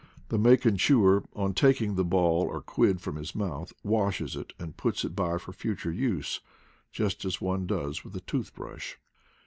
The maken chewer, on taking the ball or quid from his mouth, washes it and puts it by for future use, just as one does with a tooth brush.